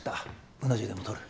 うな重でも取る？